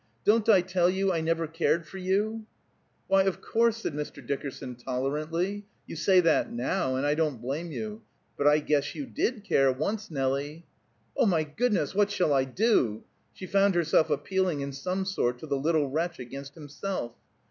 Don't I tell you I never cared for you?" "Why, of course," said Mr. Dickerson tolerantly, "you say that now; and I don't blame you. But I guess you did care, once, Nelie." "Oh, my goodness, what shall I do?" She found herself appealing in some sort to the little wretch against himself.